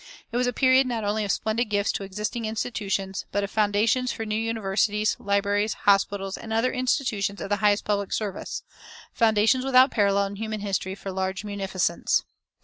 It was a period not only of splendid gifts to existing institutions, but of foundations for new universities, libraries, hospitals, and other institutions of the highest public service, foundations without parallel in human history for large munificence.